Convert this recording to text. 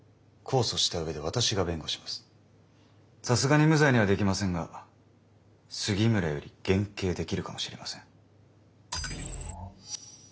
さすがに無罪にはできませんが杉村より減刑できるかもしれません。